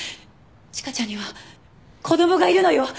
千佳ちゃんには子供がいるのよ！